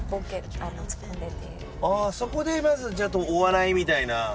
あそこでまずお笑いみたいな。